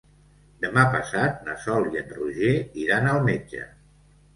Demà passat na Sol i en Roger iran al metge.